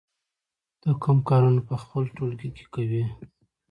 ته کوم کارونه په خپل ټولګي کې کوې؟